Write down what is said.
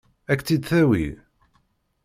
Ad k-tt-id-tawi?